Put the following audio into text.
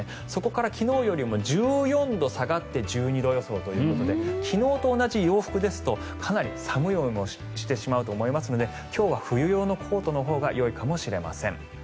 そこから昨日よりも１４度下がって１２度予想ということで昨日と同じ洋服ですとかなり寒い思いをしてしまうと思いますので今日は冬用のコートのほうがよいかもしれません。